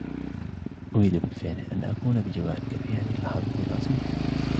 أريد بالفعل أن أكون بجوارك في هذه اللحظات العصيبة.